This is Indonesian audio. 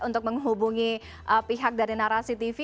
untuk menghubungi pihak dari narasi tv